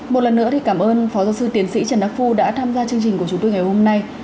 một lần nữa thì cảm ơn phó giáo sư tiến sĩ trần đắc phu đã tham gia chương trình của chúng tôi ngày hôm nay